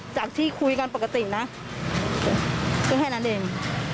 จากที่คุยกันปกตินะก็แค่นั้นเอง